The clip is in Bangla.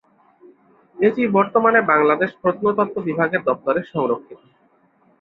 এটি বর্তমানে বাংলাদেশ প্রত্মতত্ত্ব বিভাগের দফতরে সংরক্ষিত।